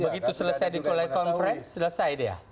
begitu selesai dikulai konferensi selesai dia